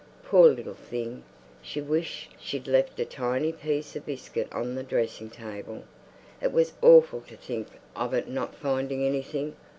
Poor little thing! She wished she'd left a tiny piece of biscuit on the dressing table. It was awful to think of it not finding anything.